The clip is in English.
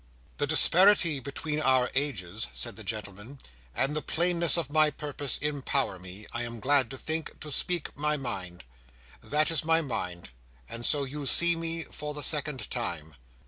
"The disparity between our ages," said the gentleman, "and the plainness of my purpose, empower me, I am glad to think, to speak my mind. That is my mind; and so you see me for the second time."